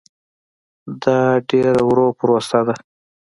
دا ډېره ورو پروسه ده.